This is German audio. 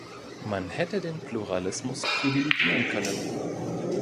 Man hätte den Pluralismus privilegieren können.